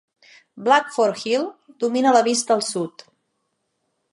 Blackford Hill domina la vista al sud.